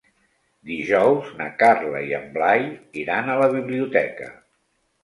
Dijous na Carla i en Blai iran a la biblioteca.